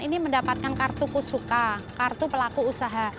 ini mendapatkan kartu kusuka kartu pelaku usaha